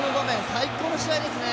最高の試合ですね。